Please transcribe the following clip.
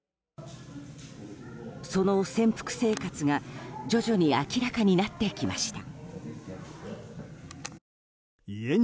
その潜伏生活が徐々に明らかになってきました。